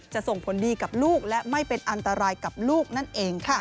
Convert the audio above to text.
ส่งผลดีกับลูกและไม่เป็นอันตรายกับลูกนั่นเองค่ะ